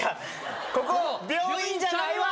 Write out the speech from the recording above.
ここ病院じゃないわ！